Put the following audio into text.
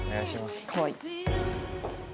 かわいい。